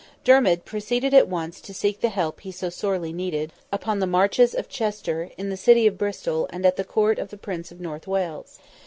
Dermid proceeded at once to seek the help he so sorely needed, upon the marches of Chester, in the city of Bristol, and at the court of the Prince of North Wales.